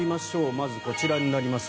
まずこちらになります。